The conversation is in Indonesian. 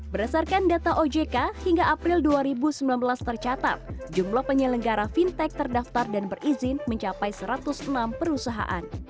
berdasarkan data ojk hingga april dua ribu sembilan belas tercatat jumlah penyelenggara fintech terdaftar dan berizin mencapai satu ratus enam perusahaan